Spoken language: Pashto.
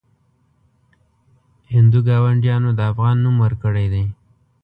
هندو ګاونډیانو د افغان نوم ورکړی دی.